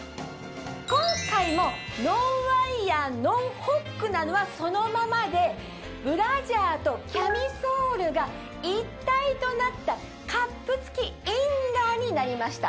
今回もノンワイヤーノンホックなのはそのままでブラジャーとキャミソールが一体となったカップ付きインナーになりました。